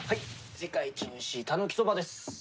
世界一おいしいたぬき蕎麦です。